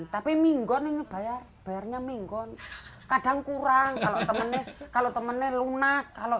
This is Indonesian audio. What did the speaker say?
tapi minggon ini bayar bayarnya minggon kadang kurang kalau temennya kalau temennya lunak kalau